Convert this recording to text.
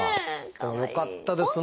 でもよかったですね